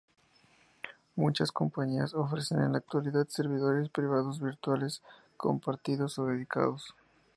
Muchas Compañías ofrecen en la actualidad Servidores Privados Virtuales compartidos o dedicados.